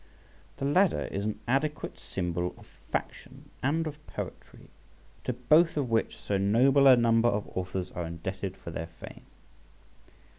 The Ladder is an adequate symbol of faction and of poetry, to both of which so noble a number of authors are indebted for their fame.